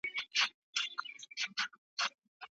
ملکیت د انسان د ژوند د بقا لپاره ضروري دی.